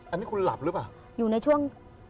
อันนี้คุณหลับหรือเปล่าอยู่ในช่วง